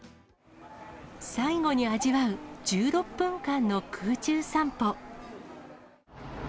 最後に味わう、１６分間の空中散歩。